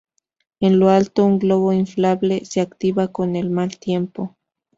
En lo alto un globo inflable se activa con el mal tiempo.